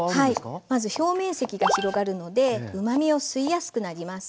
まず表面積が広がるのでうまみを吸いやすくなります。